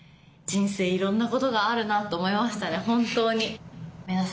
人生いろんなことがあるなと思いましたね